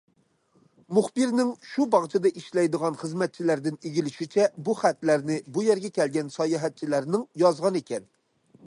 مۇخبىرنىڭ شۇ باغچىدا ئىشلەيدىغان خىزمەتچىلەردىن ئىگىلىشىچە بۇ خەتلەرنى بۇ يەرگە كەلگەن ساياھەتچىلەرنىڭ يازغان ئىكەن.